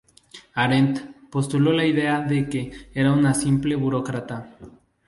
Arendt postuló la idea de que era un simple burócrata.